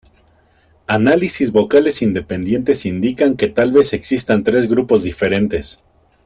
Análisis vocales independientes indican que tal vez existan tres grupos diferentes.